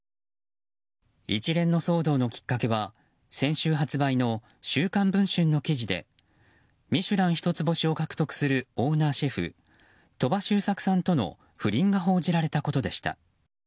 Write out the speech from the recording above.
一連の騒動のきっかけは先週発売の「週刊文春」の記事で「ミシュラン」一つ星を獲得するオーナーシェフ鳥羽周作さんとの不倫が報じられたことでした。